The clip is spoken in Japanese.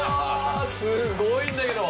すごいんだけど！